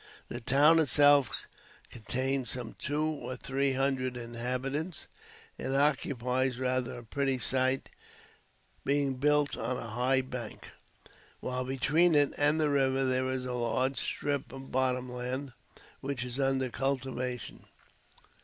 The town itself contains some two or three hundred inhabitants, and occupies rather a pretty site, being built on a high bank, while between it and the river there is a large strip of bottom land, which is under cultivation.